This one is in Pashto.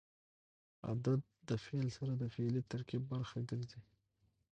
عدد د فعل سره د فعلي ترکیب برخه ګرځي.